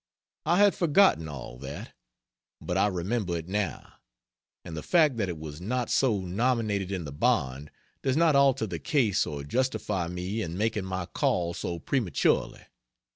I had forgotten all that. But I remember it now; and the fact that it was not "so nominated in the bond" does not alter the case or justify me in making my call so prematurely.